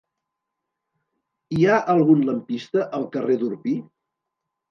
Hi ha algun lampista al carrer d'Orpí?